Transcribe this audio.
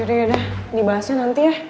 yaudah yaudah dibahasnya nanti ya